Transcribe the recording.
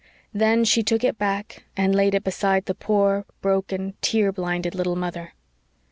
Then she took it back and laid it beside the poor, broken, tear blinded little mother.